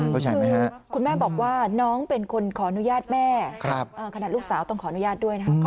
คือคุณแม่บอกว่าน้องเป็นคนขออนุญาตแม่ขนาดลูกสาวต้องขออนุญาตด้วยนะครับ